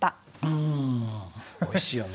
うんおいしいよね。